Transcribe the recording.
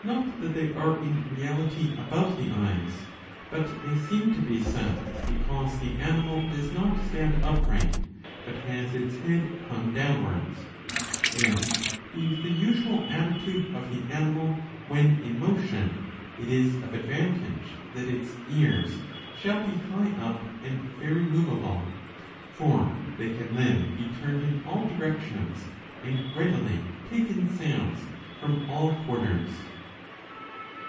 Not that they are in reality above the eyes ; but they seem to be so, because the animal does not stand upright, but has its head hung downwards. This being the usual attitude of the animal when in motion, it is of advantage that its ears shall be high up and very moveable.^ For they can then be turned in all directions, and readily take in sounds from all quarters.